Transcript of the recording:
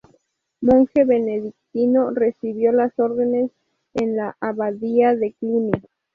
Monje benedictino, recibió las órdenes en la abadía de Cluny.